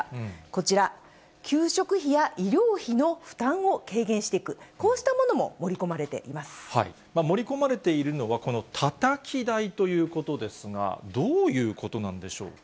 こちら、給食費や医療費の負担を軽減していく、こうしたものも盛り込まれ盛り込まれているのは、このたたき台ということですが、どういうことなんでしょうか。